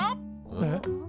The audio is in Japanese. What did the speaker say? えっ？